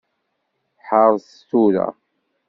Ḥeṛṛet tura.